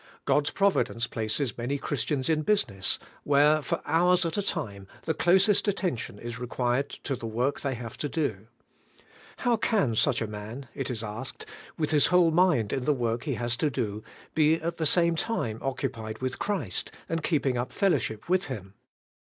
God'^ providence places many Christians in business, where for hours at a time the closest attention is required to the work they have to do. How can such a man, it is asked, with his whole mind in the work he has to 102 ABIDE IN CHRIST: do, be at the same time occupied with Christ, and keeping up fellowship with Him?